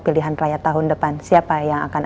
pilihan rakyat tahun depan siapa yang akan